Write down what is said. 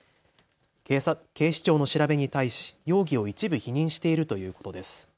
警視庁の調べに対し、容疑を一部否認しているということです。